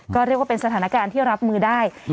ก็เรียกว่าเป็นสถานการณ์ที่รับมือได้